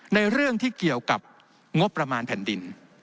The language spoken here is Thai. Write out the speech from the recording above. ในเรื่องที่เกี่ยวกับงบประมาณแผ่นดิน